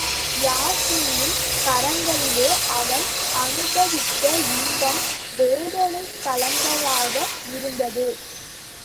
யாஸ்மியின் கரங்களிலே அவன் அனுபவித்த இன்பம் வேதனை கலந்ததாக இருந்தது.